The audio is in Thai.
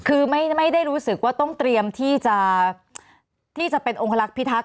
คือไม่ได้รู้สึกว่าต้องเตรียมที่จะเป็นองคลักษิทักษ